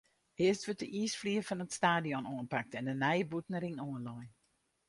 Earst wurdt de iisflier fan it stadion oanpakt en de nije bûtenring oanlein.